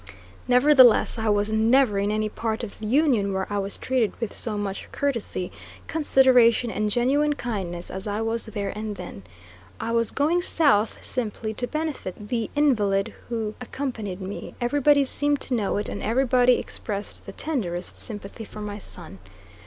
Nevertheless, I was never in any part of the Union where I was treated with so much courtesy, consideration and genuine kindness as I was there and then. I was going south, simply to benefit the invalid who accompanied me; everybody seemed to know it; and everybody expressed the tenderest sympathy for my son.